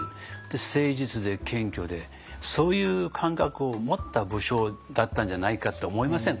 誠実で謙虚でそういう感覚を持った武将だったんじゃないかって思いませんか？